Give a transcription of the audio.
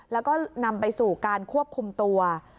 แล้วก็นำไปสู่การควบคุมตัว